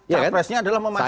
capresnya adalah memastikan